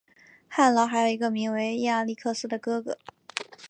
翰劳还有一个名为亚历克斯的哥哥。